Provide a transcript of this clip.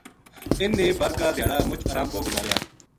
انھ نے بر کا دھیاڑا مُچ آرام پو گُزاریا